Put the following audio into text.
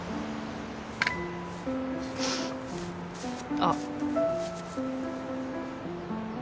あっ。